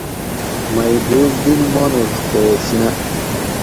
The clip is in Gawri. مئ بزدل مانوڄ خوش نہ